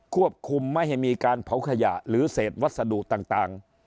ควบคุมไม่ให้มีการเผาขยะหรือเศษวัสดุต่าง